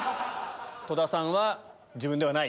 戸田さんは自分ではない。